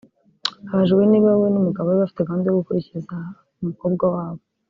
Abajijwe niba we n’umugabo we bafite gahunda yo gukurikiza umukobwa wabo